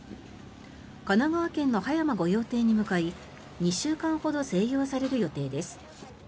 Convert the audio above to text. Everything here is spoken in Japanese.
神奈川県の葉山御用邸に向かい２週間ほど静養される予定です。